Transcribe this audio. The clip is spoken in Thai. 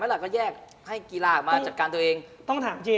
อะไรไหมละก็แยกให้กีฬามาจัดการตัวเอง